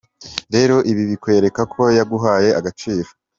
Rero ibi bikwereka ko yaguhaye agaciro.